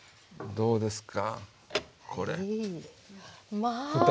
どうですか？